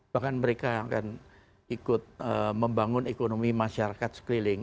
bahkan mereka akan ikut membangun ekonomi masyarakat sekeliling